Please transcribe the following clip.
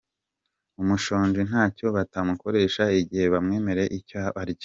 Umushonji ntacyo batamukoresha igihe bamwemereye icyo arya.